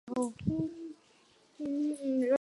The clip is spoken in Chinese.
卡拉瓦乔过着狂乱的生活。